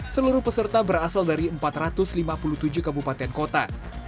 seluruh peserta berasal dari empat ratus lima puluh tujuh kabupaten kota